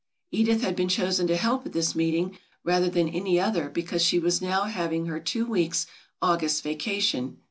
Edith had been chosen to help at this meeting rather than any other because she was now having her two weeks' August vacation.